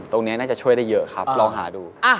ตรงนี้น่าจะช่วยได้เยอะครับลองหาดู